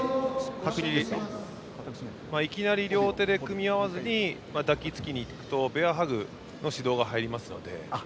いきなり両手で組み合わずに、抱きつきにいくとベアハッグの指導が入りますので。